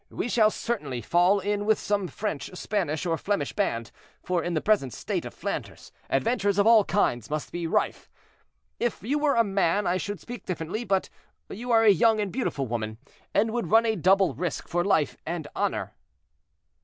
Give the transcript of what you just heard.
We shall certainly fall in with some French, Spanish, or Flemish band, for in the present state of Flanders, adventures of all kinds must be rife. If you were a man I should speak differently; but you are a young and beautiful woman, and would run a double risk for life and honor."